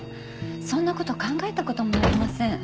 そんな事考えた事もありません。